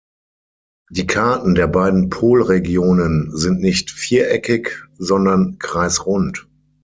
Die Karten der beiden Polregionen sind nicht viereckig, sondern kreisrund.